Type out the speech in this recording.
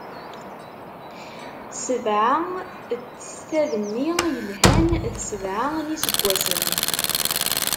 Sebɛa n testad-nni yelhan, d sebɛa n iseggasen;